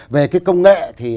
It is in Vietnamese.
về cái công nghệ thì